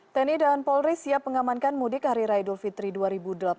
teni dan polri siap mengamankan mudik hari rai dolfi iii dua ribu delapan belas